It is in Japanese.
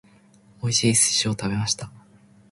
美味しいお寿司を食べました。